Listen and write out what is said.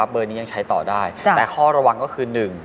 เบอร์นี้ยังใช้ต่อได้แต่ข้อระวังก็คือ๑